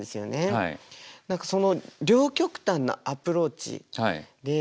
何かその両極端なアプローチで。